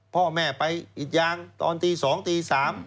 พ่อแม่ไปอิดยางตอนตี๒ตี๓